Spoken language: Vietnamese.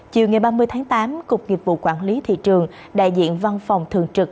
chiều ngày ba mươi tháng tám cục nghiệp vụ quản lý thị trường đại diện văn phòng thường trực